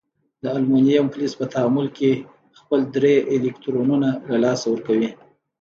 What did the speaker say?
د المونیم فلز په تعامل کې خپل درې الکترونونه له لاسه ورکوي.